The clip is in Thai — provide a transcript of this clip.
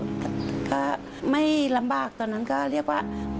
แต่ก็ไม่ลำบากตอนนั้นก็เรียกว่า